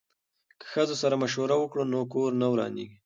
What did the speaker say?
که ښځو سره مشوره وکړو نو کور نه ورانیږي.